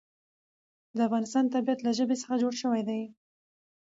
د افغانستان طبیعت له ژبې څخه جوړ شوی دی.